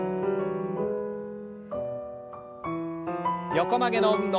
横曲げの運動。